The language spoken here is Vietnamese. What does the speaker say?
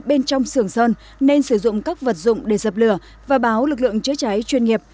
bên trong sườn sơn nên sử dụng các vật dụng để dập lửa và báo lực lượng chữa cháy chuyên nghiệp